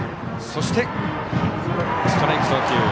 そしてストライク送球。